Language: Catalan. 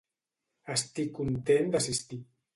Estic content d'assistir